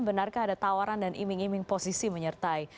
benarkah ada tawaran dan iming iming posisi menyertai